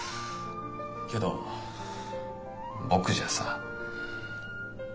けど僕じゃさ。